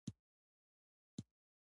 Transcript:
افغانستان د کوچیان له مخې پېژندل کېږي.